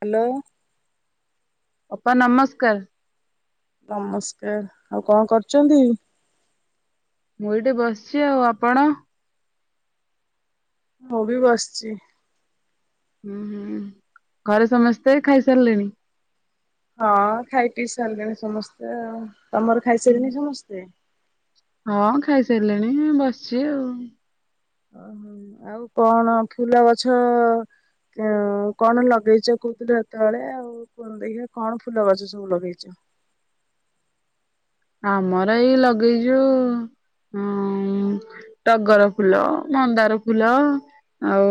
Hello. ଅପା ନମସ୍କାର। ନମସ୍କାର ଆଉ କଣ କରୁଛନ୍ତି? ମୁଁ ଏଇଠି ବସିଛି ଆଉ ଆପଣ? ମୁ ବି ବସଛି। ହୁଁ ହୁଁ ଘରେ ସମସ୍ତେ ଖାଇସାରିଲେଣି? ହଁ ଖାଇ ପିଇ ସାରିଲେନି ସମସ୍ତେ ଆଉ ତମର ହୁଁ। ଖାଇସାରିଲିନି ସମସ୍ତେ? ହଁ ଖାଇସାରିଲିଣି ବସିଛି ଆଉ ଓହୋ ଆଉ କଣ ଫୁଲ ଗଛ କଣ ଲଗେଇଛ କହୁଥିଲୁ ହେତେବେଳେ ଆଉ ଦେଖିବା କଣ ଫୁଲ ଗଛ ସବୁ ଲଗେଇଛ? ଆମର ଏଇ ଲଗେଇଛୁ ହଁ ଟଗର ଫୁଲ ମନ୍ଦାର ଫୁଲ ଆଉ?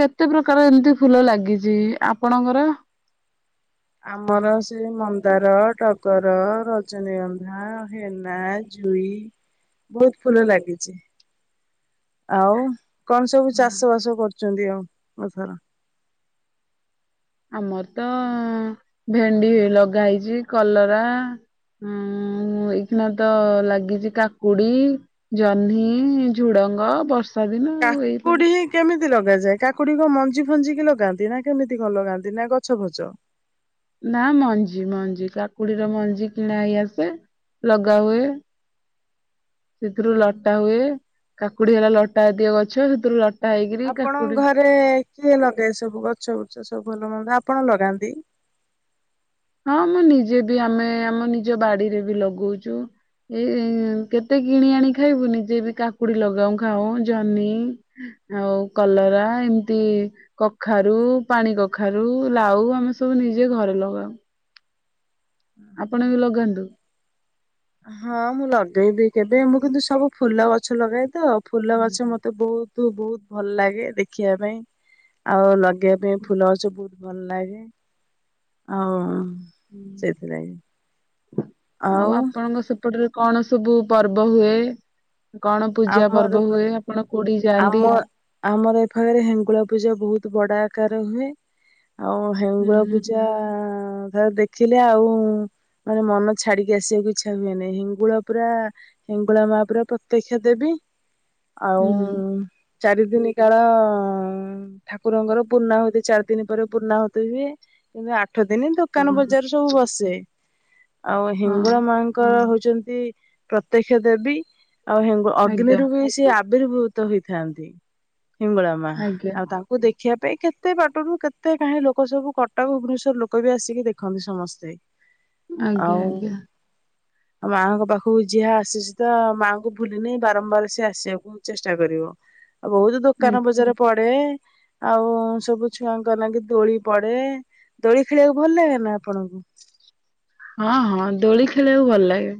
କେତେ ପ୍ରକାର ଏମିତି ଫୁଲ ଲାଗିଚି ଆପଣଙ୍କର? ଆମର ସେ ମନ୍ଦାର, ଟଗର, ରଜନୀଗନ୍ଧା, ହେନା, ଯୁ ଇ ବୋହୁତ ଫୁଲ ଲାଗିଚି ଆଉ। କଣ ସବୁ ହୁଁ ଚାଷ ବାସ କରୁଚନ୍ତି ଆଉ ଏଥର? ଆମର ତ ଭେଣ୍ଡି ଲଗା ହେଇଚି କଲରା ଉଁ ହୁଁ ଏଇଖିନା ତ ଲାଗିଚି କାକୁଡି, ଜହ୍ନି, ଝୁଡଙ୍ଗ ବର୍ଷ କାକୁଡି ହି କେମିତି ଲଗ? ଲଗାଯାଏ କାକୁଡି କ ମଞ୍ଜି ଫଞ୍ଜିିକି ଲଗାନ୍ତି ନା କେମିତି କଣ ଲଗାନ୍ତି ନା ଗଛ ଫଛ? ନା ମଞ୍ଜି ମଞ୍ଜି କାକୁଡିର ମଞ୍ଜି କିଣା ହେଇ ଆସେ ଲଗା ହୁଏ। ସେଥିରୁ ଲଟା ହୁଏ କାକୁଡି ହେଲା ଲଟାଜାତିୟ ଗଛ ସେଥିରୁ ଲ ଆପଣଙ୍କ ଘରେ କିଏ ଲଗାଏ ସବୁ ଗଛ ବୁଛ ସବୁ ଭଲ ମନ୍ଦ ଆପ ଆପଣ ଲଗାନ୍ତି? ହଁ ମୁଁ ନିଜେ ବି ଆମେ ଆମ ନିଜ ବାଡିରେ ବି ଲଗଉଛୁ। ଏଇ କେତେ କିଣି ଆଣି ଖାଇବୁ ନିଜେ ବି କାକୁଡି ଲଗାଉ ଖାଉ ଜହ୍ନି ଆଉ କଲରା ଏମିତି କଖାରୁ ପାଣି କଖାରୁ ଲାଉ ଆମେ ସବୁ ନିଜେ ଘରେ ଲଗାଉ। ଆପଣ ବି ଲଗାନ୍ତୁ। ହଁ ମୁଁ ଲଗେଇବି କେବେ ମୁଁ କିନ୍ତୁ ସବୁ ଫୁଲ ଗଛ ଲଗାଏ ତ। ଫୁଲ ହୁଁ ଗଛ ହୁଁ ମୋତେ ବହୁତ ବହୁତ ଭଲ ଲାଗେ ଦେଖିବା ପାଇଁ। ଆଉ ଲଗେଇବା ପାଇଁ ଫୁଲ ଗଛ ବହୁତ ଭଲ ଲାଗେ ଆଉ। ହୁଁ। ସେଥିପାଇଁ ଆଉ? ଆପଣଙ୍କ ସେପଟରେ କଣ ସବୁ ପର୍ବ ହୁଏ? କଣ ପୂଜା ଆମର ପର୍ବ ହୁଏ ଆପଣ କୋଉଠିକି ଯାଆନ୍ତି? ଆମ ଆମର ଏ ପାଖରେ ହେଙ୍ଗୁଳା ପୂଜା ବହୁତ ବଡ ଆ - ପ୍ରକାର ହୁଏ ଆଉ ହୁଁ ହେଙ୍ଗୁଳା ହୁଁ ପୂଜା ଦେଖିଲେ ଆଉ- ମାନେ ମନ ଛାଡିକି ଆସିବାକୁ ଇଚ୍ଛା ହୁଏନି ହେଙ୍ଗୁଳା ପୁରା ହେଙ୍ଗୁଳା ମା ପୁରା ପ୍ରତ୍ୟେକ- ଯେବେବି ଆଉ- ଚାରି ଦିନି କାଳ ଠାକୁରଙ୍କର ପୂର୍ଣ୍ଣାହୁତି ଚାରି ଦିନ ପରେ ପୁର୍ଣାହୁତି ହୁଏ। କିନ୍ତୁ ଆଠ ଦିନି ହୁଁ ଦୋକାନ ହଁ ବଜାର ସବୁ ବସେ। ଆଉ ହଁ ହିଙ୍ଗୁଳା ମାଙ୍କର ହଉଛନ୍ତି ପ୍ରତ୍ୟକ୍ଷ ଦେବୀ। ଆଉ ହେଙ୍ଗୁ ଆଜ୍ଞା ଅଗ୍ନିରୁ ବି ସେ ଆବିର୍ଭୁତ ହେଇଥାନ୍ତି। ହିଙ୍ଗୁଳା ମା ଆଜ୍ଞା ଆଉ ତାଙ୍କୁ ଦେଖି - ଦେଖିବା ପାଇଁ କେତେ ବାଟରୁ କେତେ କାହିଁ ଲୋକ ସବୁ କଟକ ଭୁବନେଶ୍ଵର ଲୋକ ବି ଆସିକି ଦେଖନ୍ତି ସମସ୍ତେ। ଆଜ୍ଞା ଆଜ୍ଞା। ଆଉ ମାଆଙ୍କ ପାଖକୁ ଯିହା ଆସିଛି ତ ମାଆଙ୍କୁ। ବୁଲି ନେଇ ବାରମ୍ବାର ସେ ଆସିବାକୁ ଚେଷ୍ଟା କରିବ ଆଉ ବହୁତ ଆଜ୍ଞା। ଦୋକାନ ବଜାର ପଡ଼େ। ଆଉ ସବୁ ଛୁଆଙ୍କ ଲାଗି ଦୋଳି ପଡ଼େ। ଦୋଳି ଖେଳିବାକୁ ଭଲ ଲାଗେ ନା ଆପଣଙ୍କୁ? ହଁ ହଁ ଦୋଳି ଖେଳିବାକୁ ଭଲ ଲାଗେ।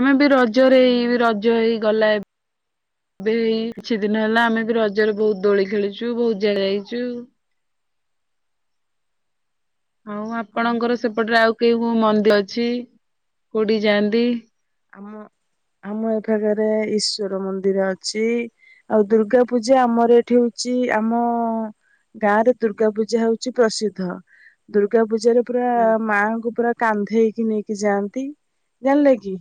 ଆମେ ବି ରଜରେ ଏଇ ରଜ ହେଇ ଗଲା ଏବେ। ଏବେ ଏହି କିଛି ଦିନ ହେଲା ଆମେ ବି ରଜରେ ବହୁତ ଦୋଳି ଖେଳିଛୁ ବହୁତ ଜାଗା ଯାଇଛୁ। ଆଉ ଆପଣଙ୍କର ସେପଟରେ ଆଉ କେଇ କୋଉ ମନ୍ଦିର ଅଛି କୋଉଠି ଯାଆନ୍ତି। ଆମ। ଆମ ଏ ଫାଗରେ ଈଶ୍ଵର ମନ୍ଦିର ଅଛି ଆଉ ଦୁର୍ଗା ପୂଜା ଆମର ଏଠି ହଉଛି। ଚି ଆମ ଗାଁ ରେ ଦୁର୍ଗା ପୂଜା ହଉଛି ପ୍ରସିଦ୍ଧ ଦୁର୍ଗା ପୂଜାରେ- ପୁରା ମାଙ୍କୁ ପୁରା କାନ୍ଧେଇକି ନେଇକି ଯାଆନ୍ତି ଜାଣିଲେ କି।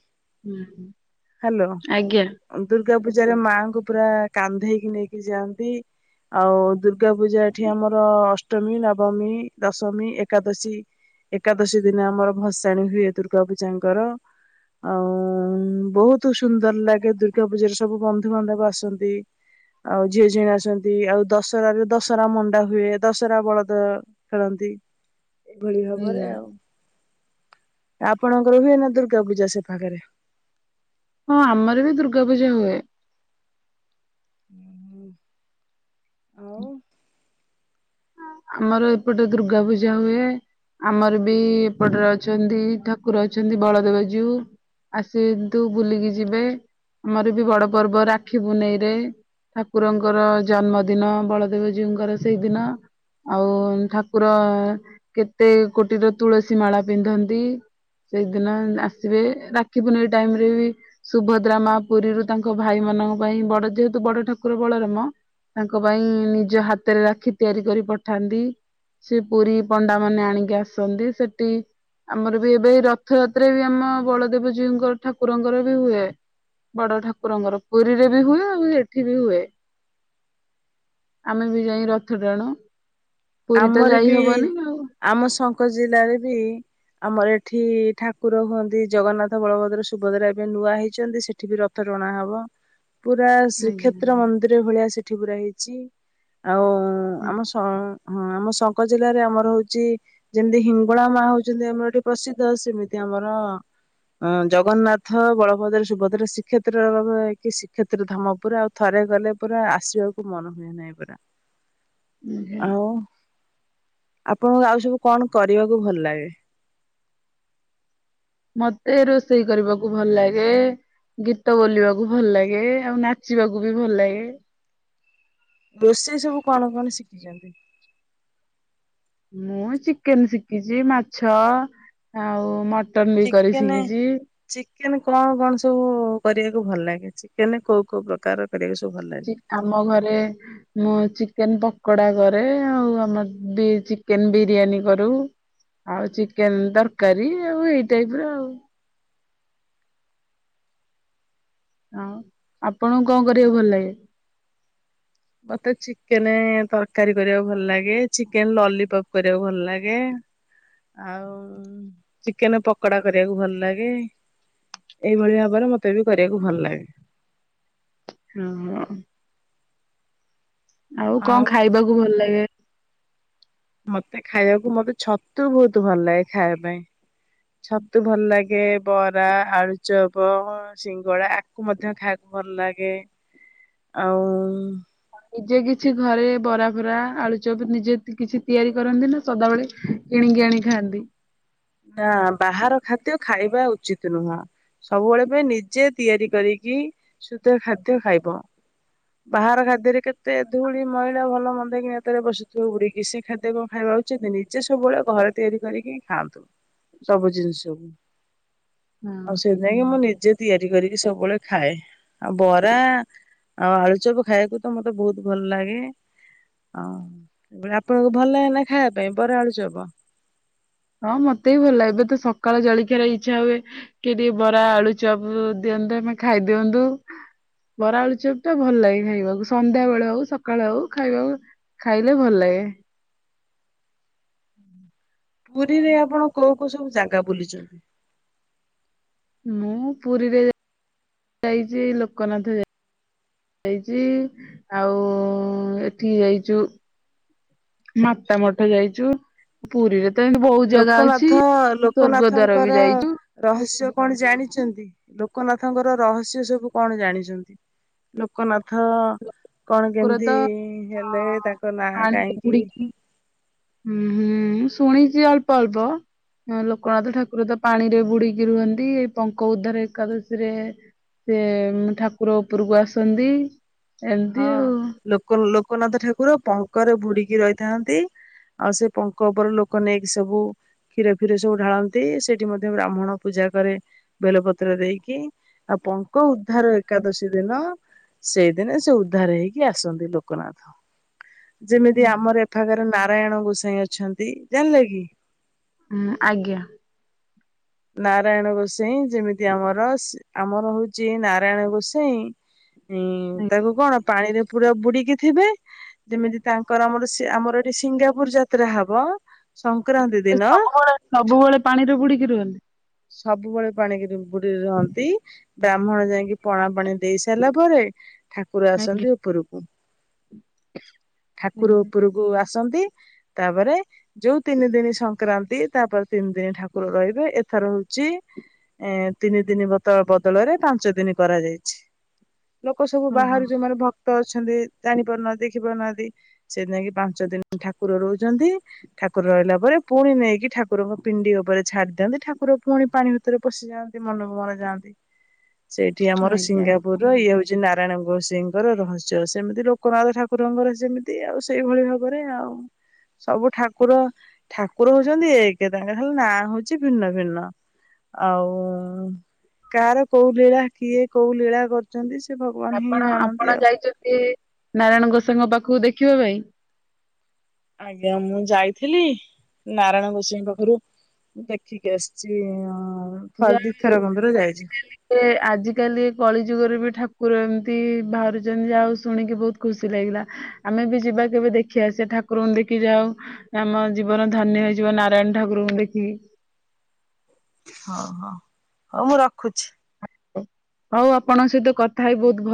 ହ୍ୟାଲୋ ଆଜ୍ଞା ଦୁର୍ଗ- ଦୁର୍ଗା ପୂଜାରେ ମାଆଙ୍କୁ ପୁରା କାନ୍ଧେଇକି ନେଇକି ଯାଆନ୍ତି ଆଉ ଦୁର୍ଗା- ଦୁର୍ଗା ପୂଜା ଏଠି ଆମର ଅଷ୍ଟମୀ ନବମୀ ଦଶମୀ ଏକାଦଶୀ। ଏକାଦଶୀ ଦିନ ଆମର ଭଷାଣି ହୁଏ ଦୁର୍ଗା ପୂଜାଙ୍କର। ହୁଁ ବହୁତ ସୁନ୍ଦର ଲାଗେ ଦୁର୍ଗା ପୂଜାରେ ସବୁ ବନ୍ଧୁବାନ୍ଧବ ଆସନ୍ତି। ଆଉ ଝିଅ ଝିଅଣ ଆସନ୍ତି। ଆଉ ଦଶହରାରୁ ଦଶହରା ମଣ୍ଡା ହୁଏ। ଦଶହରା ବଳଦ ଖେଳନ୍ତି। ହି। ଏଇଭଳି ଭାବରେ ଆଜ୍ଞା ଆଉ। ଆପଣଙ୍କର ହୁଏ ନା ଦୁର୍ଗା ପୂଜା ସେ- ଆଗରେ। ହଁ ଆମର ବି ଦୁର୍ଗା ପୂଜା ହୁଏ। ହୁଁ ହୁଁ। [unintelligible] ଆମର ଏପଟେ ଦୁର୍ଗା ପୂଜା ହୁଏ। ଆମର ବି ଏପଟରେ ଅଛନ୍ତି ଠାକୁର ଅଛନ୍ତି ବଳଦେବ ଜୀଉ। ଆସନ୍ତୁ ବୁଲିକି ଯିବେ। ଆମର ବି ବଡ ପର୍ବ ରାକ୍ଷୀ ପୁନେଇରେ। ଠାକୁରଙ୍କର ଜନ୍ମଦିନ ବଳଦେବ ଜୀଉଙ୍କର ସେଇଦିନ। ଆଉ ଠାକୁର କେତେ କୋଟିର ତୁଳସୀ ମାଳା ପିନ୍ଧନ୍ତି। ସେଇଦିନ ଆସିବେ ରାକ୍ଷି ପୁନେଇଁ ଟାଇମ ରେ ବି ସୁଭଦ୍ରା ମା ପୁରୀରୁ ତାଙ୍କ ଭାଇ ମା- ମାନଙ୍କ ପାଇଁ ବଡ ଯେହେତୁ ବଡ ଠାକୁର ବଳରାମ ତାଙ୍କ ପାଇଁ ନିଜ ହାତରେ ରାକ୍ଷୀ ତିଆରି କରି- ପଠାନ୍ତି। ସେ ପୁରୀ ପଣ୍ଡା ମାନେ ଆଣିକି ଆସନ୍ତି। ସେଠି- ଆମର ବି ଏବେ ରଥଯାତ୍ରା ବି ଆମ ବଳଦେବଜୀଉଙ୍କର ଠାକୁରଙ୍କର ବି ହୁଏ। ବଡ ଠାକୁରଙ୍କର ପୁରୀରେ ବି ହୁଏ ଆଉ ଏଠି ବି ହୁଏ। ଆମେ ବି ଯାଇ ରଥ ଟାଣୁ। ପୁରୀ ତ ଆମର ଯାଇ ବି ହବନି ଆଉ ଆମ ଶଙ୍କର ଜିଲ୍ଲାରେ ବି- ଆମର ଏଠି ଠାକୁର ହୁଅନ୍ତି ଜଗନ୍ନାଥ ବଳଭଦ୍ର ସୁଭଦ୍ରା ଏବେ ନୂଆ ହେଇଛନ୍ତି ସେଠି ବି ର- ଥ ଟଣା ହବ। ପୁରା ଆଜ୍ଞା ଶ୍ରୀକ୍ଷେତ୍ର ଆଜ୍ଞା ମନ୍ଦିର ଭଳିଆ ସେଠି ପୁରା ହେଇଛି। ଆଉ ଆମ ସ - ହଁ ଆମ ଶଙ୍କ ଜିଲ୍ଲାରେ ଆମର ହଉଛି ଯେମିତି ହିଙ୍ଗଳା ମା ହଉଛନ୍ତି ଆମର ପ୍ରସିଦ୍ଧ ସେମିତି- ଆମର ଅଁ ଜଗନ୍ନାଥ, ବଳଭଦ୍ର, ସୁଭଦ୍ରା ଶ୍ରୀକ୍ଷେତ୍ର ରହିକି ଶ୍ରୀକ୍ଷେତ୍ର ଧାମ ଉପରେ ଆଉ ଥ ରେ ଗଲେ ପରା ଆସିବାକୁ ମନ ହୁଏ ନାହିଁ ପରା। ଉଁ ହେ [unintelligible] ଆଉ ଆପଣଙ୍କୁ ଆଉ ସବୁ କଣ କରିବାକୁ ଭଲ ଲାଗେ? [inaudible] ମତେ ରୋଷେଇ କରିବାକୁ ଭଲ ଲାଗେ। ଗୀତ ବୋଲିବାକୁ ଭଲ ଲାଗେ ଆଉ ନାଚିବାକୁ ବି ଭଲ ଲାଗେ। ରୋଷେଇ ସବୁ କଣ କଣ ଶିଖିଚନ୍ତି? ମୁଁ ଚିକେନ ଶିଖିଚି ମାଛ ଆଉ ମ ର୍ଟନ ବି କରି ଚିକେନ ଶିକିଚି। ଚିକେନ କଣ କଣ ସବୁ କରିବାକୁ ଭଲ ଲାଗେ। ଚିକେନରେ କୋଉ କୋଉ ପ୍ରକାର କରିବାକୁ ସବୁ ଭଲ ଲାଗେ? ଚି ଆମ ଘରେ ମୁଁ ଚିକେନ ପକୋଡା କରେ ଆଉ ଆମର ବି ଚିକେନ ବିରିୟାନୀ କରୁ। ଆଉ ଚିକେନ ତରକାରୀ ଆଉ ଏଇ ଟାଇପର ଆଉ। ହଁ ଆପଣଙ୍କୁ କଣ କରିବାକୁ ଭଲ ଲାଗେ। ମତେ ଚିକେନେ ତରକାରୀ କରିବାକୁ ଭଲ ଲାଗେ। ଚିକେନ ଲଲିପପ୍ କରିବାକୁ ଭଲ ଲାଗେ। ଆଉ ଚିକେନ ପକଡା କରିବାକୁ ଭଲ ଲାଗେ। ଏଇଭଳି ଭାବରେ ମତେ ବି କରିବାକୁ ଭଲ ଲାଗେ। ହଁ ହଁଅ। ଆଉ କଣ ଖାଇବାକୁ ଭଲ ଲାଗେ। ମତେ ଖାଇବାକୁ ମତେ ଛତୁ ବୋହୁତ ଭଲ ଲାଗେ ଖାଇବା ପାଇଁ। ଛତୁ ଭଲ ଲାଗେ। ବରା, ଆଳୁଚପ, ସିଙ୍ଗଡା ଆକୁ ମଧ୍ୟ ଖା ଭଲ ଲାଗେ ଆଉ ଉଁ ନିଜେ କିଛି ଘରେ ବରା ଫରା ଆଳୁଚପ ନିଜେ କିଛି ତିଆରି କରନ୍ତି ନା ସଦାବେଳେ କିଣି ଆଣି ଖାନ୍ତିି। ନା ବାହାର ଖାଦ୍ୟ ଖାଇବା ଉଚିତ ନୁହଁ। ସବୁବେଳେ ବି ନିଜେ ତିଆରି କରିକି ଶୁଦ୍ଧ ଖାଦ୍ୟ ଖାଇବ। ବାହାର ଖାଦ୍ୟରେ କେତେ ଧୂଳି ମଇଳା ଭଲ ମନ୍ଦେକି ଏତରେ ବସୁଥିବ ବୁଡିକି ସେ ଖାଦ୍ୟ କଣ ଖାଇବା ରହୁଛନ୍ତି ନିଜେ ସବୁବେଳେ ଘରେ ତିଆରି କରିକି ଖାଆନ୍ତୁ। ସବୁ ଜିନିଷ ସବୁ ହଁ। ଆଉ ସେ ନେଇ ମୋ ନି ଜେ ତିଆରି କରିକି ସବୁବେଳେ ଖାଏ ଆଉ ବରା-ଆ ଆଉ ଆଳୁଚପ ଖାଇବାକୁ ତ ମତେ ବହୁତ ଭଲ ଲାଗେ ହଁ ବ୍ଲେ ଆପଣଙ୍କୁ ଭଲ ନା ଖାଇବା ପାଇଁ ବରା ଆଳୁଚପ୍ ହଁ ମତେ ବି ଭଲ ଲାଗେ ଏବେ ତ ସକାଳ ଜଳଖିଆର ଇଛା ହୁଏ କି ଦି ବରା ଆଳୁଚପ ଦି ନ୍ଦେ ଆମେ ଖାଇ ଦିଅନ୍ତୁ ବରାଆଳୁ ଚପ ଟା ଭଲ ଲାଗେ ଖାଇବାକୁ ସନ୍ଧ୍ୟା ବେଳ ହଉ ସକାଳ ହଉ ଖାଇବାକୁ ଖାଇଲେ ଭଲଲାଗେ। ପୁରୀରେ ଆପଣ କୋଉ କୋଉ ସବୁ ଜାଗା ବୁଲିଚନ୍ତି? ମୁଁ ପୁରୀରେ ଯାଇଛି ଲୋକନାଥ ଯା ହେଇଛି ଆଉ-ଉ-ଉ ଏଠି ଯାଇଛୁ। ମାତା ମଠ ଯାଇଛୁ, ପୁରୀରେ ତ ଏମିତି ବହୁତ ଜାଗା ଅଛି ଲୋକନାଥ ସ୍ଵର୍ଗ ଦ୍ୱାର ବି ଲୋକନାଥଙ୍କର ଯାଇଛୁ ରହସ୍ୟ କଣ ଜାଣିଛନ୍ତି ଲୋକନାଥଙ୍କର ରହସ୍ୟ ସବୁ କଣ ଜାଣିଛନ୍ତି ଲୋକନାଥ-ଥ-ଥ କଣ ଠାକୁର ତ କେମିତି-ଇ-ଇ ହେଲେ ତାଙ୍କ ନାଁ ପାଣିରେ କାହିଁକି ବୁଡିକି ହୁଁ ହୁଁ ସୁନିଚି ଅଳ୍ପ ଅଳ୍ପ ହଁ ଲୋକନାଥ ଠାକୁର ତ ପାଣିରେ ବୁଡିକି ରୁହନ୍ତି ଏଇ ପଙ୍କ ଉଦ୍ଧାର ଏକାଦଶୀରେ ସେ-ଏଁ-ଏଁ ଠାକୁର ଉପରକୁ ଆସନ୍ତି ଏମିତି ହଁ ଆଉ। ଲୋକ ଲୋକନାଥ ଠାକୁର ପଙ୍କରେ ଭୁଡିକି ରହିଥାନ୍ତି। ଆଉ ସେ ପଙ୍କ ଉପରେ ଲୋକ ନେଇକି ସବୁ କ୍ଷୀର ଫିର ସବୁ ଢାଳନ୍ତି, ସେଠି ମଧ୍ୟ ବ୍ରାହ୍ମଣ ପୂଜା କରେ ବେଲପତ୍ର ଦେଇକି ଆଉ କ ଉଦ୍ଧାର ଏକାଦଶୀ ଦିନ, ସେଇଦିନେ ସେ ଉଦ୍ଧାର ହେଇକି ଆସନ୍ତି ଲୋକନାଥ, ଯେମିତି ହୁଁ ଆମର ଏଫା କରେ ନା ନାରାୟଣ ଗୋସାଇ ଅଛନ୍ତି ଜାଣିଲେ କି? ହୁଁ ଆଜ୍ଞା ନାରାୟଣ ଗୋସାଇ ଯେମିତି ଆମର, ଆମର ହଉଛି ନାରାୟଣ ଗୋସାଇ ହୁଁ ଆଜ୍ଞା। ତାକୁ କଣ? ପାଣିରେ ପୁରା ବୁଡିକି ଥିବେ ଯେମିତି ତାଙ୍କର ଆମର ଆମର ଏଠି ସିଙ୍ଗାପୁର ଯାତ୍ରା ହବ ସଂକ୍ରାନ୍ତି ସେ ଦିନ ସବୁବେଳେ ସବୁବେଳେ ପାଣିରେ ବୁଡିକି ରୁହନ୍ତି ସବୁବେଳେ ପାଣିକ ବୁଡି ରହନ୍ତି ବ୍ରାହ୍ମଣ ଯାଇକି ପଣା ପାଣି ଦେଇ ସାରିଲା ପରେ ଠାକୁର ଆସନ୍ତି ଆଜ୍ଞା ଉପରକୁ ଠାକୁର ଆଜ୍ଞା। ଉପରକୁ ଆ ଆସନ୍ତି ତାପରେ ଯୋଉ ତିନି ଦିନ ସଂକ୍ରାନ୍ତି ତାପରେ ତିନି ଦିନ ଠାକୁର ରହିବେ ଏ ଥର ରହୁଛି [unintelligible] ଏ ତିନି ଦିନ ବଦ ବଦଳରେ ପାଞ୍ଚ ଦିନ କରାଯାଇଛି ଲୋକ ସବୁ ହଁ ହଁ ବାହାରୁ ଯେଉଁମାନେ ଭ ତ ଅଛନ୍ତି ଜାଣିପାରୁନାହାନ୍ତି, ଦେଖି ପାରୁନାହାନ୍ତି, ସେଇଥି ଲାଗି ପାଞ୍ଚ ଦିନ ଠାକୁର ରହୁଛନ୍ତି। ଠାକୁର ରହିଲା ପରେ ପୁଣି ନେଇକି ଠାକୁରଙ୍କ ପିଣ୍ଡି ଉପରେ ଛାଡି ଦିଅନ୍ତି ଠା ଠାକୁର ପୁଣି ପାଣି ଭିତରେ ପଶିଯାଆନ୍ତି ମନକୁ ମନ ଯାଆନ୍ତି। ସେଇଠି ଆମର ଆଜ୍ଞା ଆଜ୍ଞା ସିଙ୍ଗାପୁର ର ଇଏ ହଉଛି ନା ନାରାୟଣ ଗୋଷେଇଙ୍କର ରହସ୍ୟ, ସେମିତି ଲୋକନାଥ ଠାକୁରଙ୍କର ସେମିତି, ଆଉ ସେଇଭଳି ଭାବରେ ଆଉ ସବୁ ଠାକୁର, ଠାକୁର ହଉଛନ୍ତି ଏକ, ତାଙ୍କର ଖାଲି ନା ହେଉଛି ଭିନ୍ନ ଭିନ୍ନ ଆଉ କାହାର କୋଉ ଲୀଳା କିଏ କୋଉ ଲୀଳା କରୁଛନ୍ତି ସ ଆପଣ ଆପଣ ଯାଇଛନ୍ତି ନାରାୟଣ ଗୋଷେଇଙ୍କ ପାଖକୁ ଦେଖି କି ଭାଇ [unintelligible] ଆଜ୍ଞା ମୁଁ ଯାଇଥିଲି ନାରାୟଣ ଗୋସାଇ ପାଖରୁ ମୁଁ ଦେଖିକି ଆସିଛି ଅ ଥରେ ଯାଉ ଦିଥର ଖଣ୍ଡର ଯାଇଛି। ଆଜିକାଲି ଆଜିକାଲି କଳି ଯୁଗରେ ବି ଠାକୁର ଏମତି ବାହାରୁଛନ୍ତି ଯାହାଉ ଶୁଣିକି ବହୁତ ଖୁସି ଲାଗିଲା। ଆମେ ବି ଯିବା କେବେ? ଦେଖି ଆସେ ଠାକୁରଙ୍କୁ ଦେଖି ଯାହାହଉ ଆମ ଜୀବନ ଧନ୍ୟ ହେଇଯିବ। ନାରାୟଣ ଠାକୁରଙ୍କୁ ଦେଖିକି। ହଉ ହଉ ହଉ ମୁଁ ରଖୁଛି। ହ ହଉ ଆପଣଙ୍କ ସହିତ କଥା ହେଇ ବହୁତ ଭ